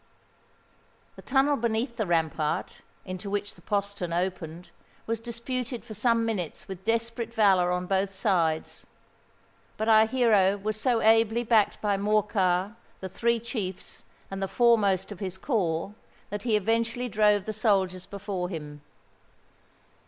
The tunnel beneath the rampart, into which the postern opened, was disputed for some minutes with desperate valour on both sides; but our hero was so ably backed by Morcar, the three chiefs, and the foremost of his corps, that he eventually drove the soldiers before him.